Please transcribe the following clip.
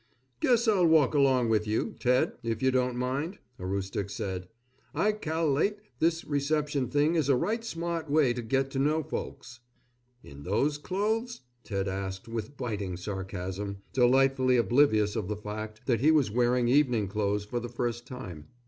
"Guess I'll walk along with you, Ted, if you don't mind?" Aroostook said. "I cal'late this reception thing is a right smart way to get to know folks." "In those clothes?" Ted asked with biting sarcasm, delightfully oblivious of the fact that he was wearing evening clothes for the first time.